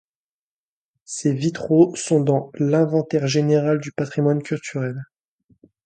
Ses vitraux sont dans I'inventaire général du patrimoine culturel.